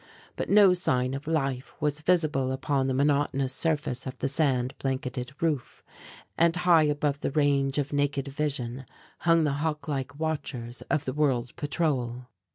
But no sign of life was visible upon the monotonous surface of the sand blanketed roof, and high above the range of naked vision hung the hawk like watchers of the World Patrol.